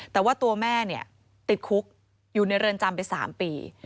แต่ว่าตัวแม่ติดคุกอยู่ในเรือนจำไป๓ปี